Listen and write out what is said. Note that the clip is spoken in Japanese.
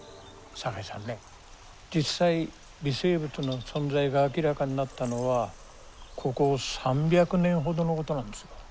堺さんね実際微生物の存在が明らかになったのはここ３００年ほどのことなんですよ。